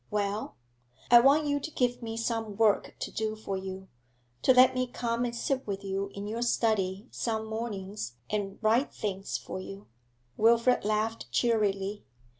'Well?' 'I want you to give me some work to do for you to let me come and sit with you in your study some mornings and 'write things for you.' Wilfrid laughed cheerily.